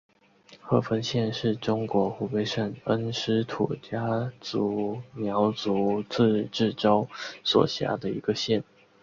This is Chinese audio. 鹤峰县是中国湖北省恩施土家族苗族自治州所辖的一个县。